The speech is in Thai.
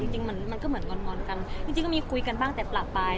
จริงมันก็เหมือนงอนกันจริงก็มีคุยกันบ้างแต่ปรับไป